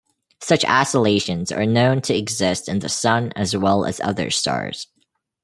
Such oscillations are known to exist in the sun as well as other stars.